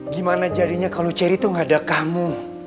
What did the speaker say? gimana jadinya kalau ceri tuh gak ada kamu